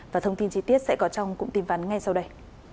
và thông tin chi tiết sẽ có trong cụm tin vắn ngay sau đây